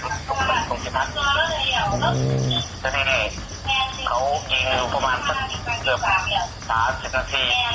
ตรงนี้ต้องกินพันอืมแล้วนี่นี่เขาเอียงเร็วประมาณสักเกือบสามสิบนาที